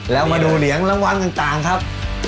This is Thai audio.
แล้วมาดูเหรียญรางวัลต่างครับ